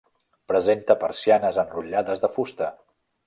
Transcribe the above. Presenta persianes enrotllades de fusta.